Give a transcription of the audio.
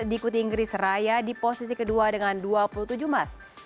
diikuti inggris raya di posisi kedua dengan dua puluh tujuh emas